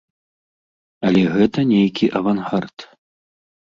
Але гэта нейкі авангард.